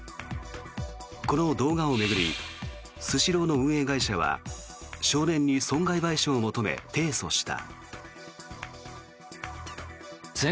この動画を巡りスシローの運営会社は少年に損害賠償を求め提訴した。